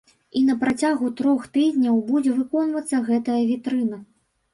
І на працягу трох тыдняў будзе выконвацца гэтая вітрына.